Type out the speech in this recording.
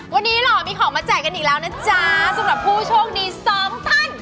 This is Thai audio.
วันนี้หล่อมีของมาแจกกันอีกแล้วนะจ๊ะสำหรับผู้โชคดีสองท่าน